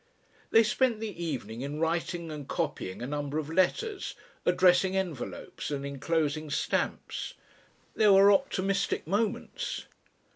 They spent the evening in writing and copying a number of letters, addressing envelopes and enclosing stamps. There were optimistic moments.